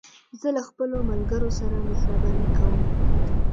زه له خپلو ملګرو سره مهربانې کوم.